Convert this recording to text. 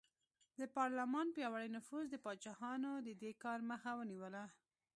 د پارلمان پیاوړي نفوذ د پاچاهانو د دې کار مخه ونیوله.